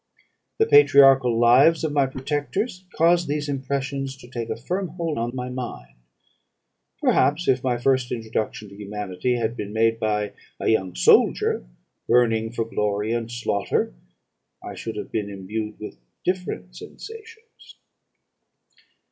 The patriarchal lives of my protectors caused these impressions to take a firm hold on my mind; perhaps, if my first introduction to humanity had been made by a young soldier, burning for glory and slaughter, I should have been imbued with different sensations.